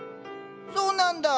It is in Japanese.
そうなんだあ。